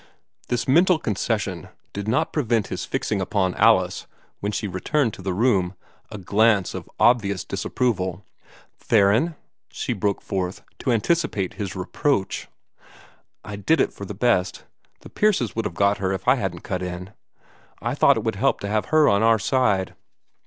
This mental concession did not prevent his fixing upon Alice, when she returned to the room, a glance of obvious disapproval. "Theron," she broke forth, to anticipate his reproach, "I did it for the best. The Pierces would have got her if I hadn't cut in. I thought it would help to have her on our side.